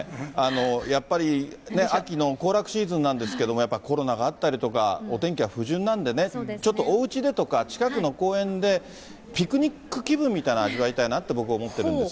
やっぱり、秋の行楽シーズンなんですけれども、やっぱりコロナがあったりとか、お天気が不順なんでね、ちょっとおうちでとか、近くの公園でピクニック気分みたいなの味わいたいなって、僕、思ってるんです。